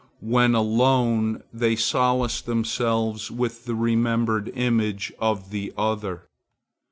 When alone, they solace themselves with the remembered image of the other.